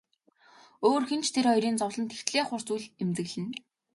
Өөр хэн ч тэр хоёрын зовлонд тэгтлээ хурц үл эмзэглэнэ.